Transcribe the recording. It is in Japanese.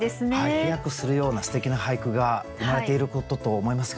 飛躍するようなすてきな俳句が生まれていることと思いますが。